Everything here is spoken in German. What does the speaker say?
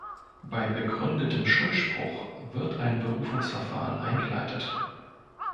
Bei begründetem Schuldspruch wird ein Berufungsverfahren eingeleitet.